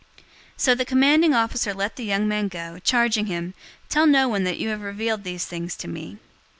023:022 So the commanding officer let the young man go, charging him, "Tell no one that you have revealed these things to me."